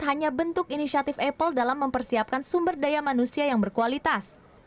hanya bentuk inisiatif apple dalam mempersiapkan sumber daya manusia yang berkualitas